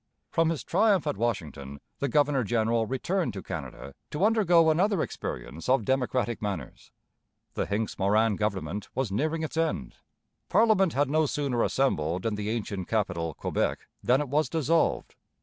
From his triumph at Washington the governor general returned to Canada to undergo another experience of democratic manners. The Hincks Morin government was nearing its end. Parliament had no sooner assembled in the ancient capital, Quebec, than it was dissolved.